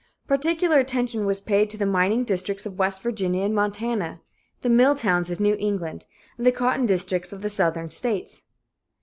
Particular attention was paid to the mining districts of West Virginia and Montana, the mill towns of New England and the cotton districts of the Southern states.